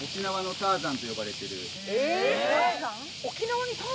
ターザン？